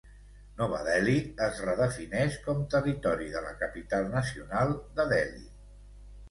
Nova Delhi es redefineix com Territori de la Capital Nacional de Delhi.